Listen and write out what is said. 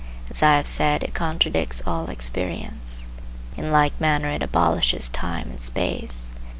As I have said, it contradicts all experience. In like manner it abolishes time and space.